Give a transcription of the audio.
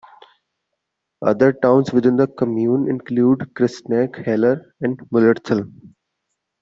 Other towns within the commune include Christnach, Haller, and Mullerthal.